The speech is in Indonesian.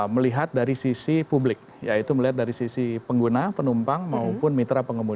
melihat dari sisi publik yaitu melihat dari sisi pengguna penumpang maupun mitra